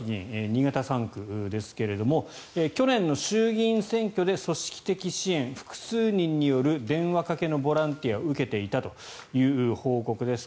新潟３区ですが去年の衆議院選挙で組織的支援複数人による電話かけのボランティアを受けていたという報告です。